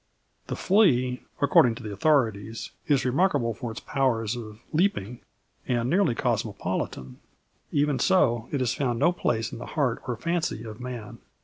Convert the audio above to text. The flea, according to the authorities, is "remarkable for its powers of leaping, and nearly cosmopolitan." Even so, it has found no place in the heart or fancy of man.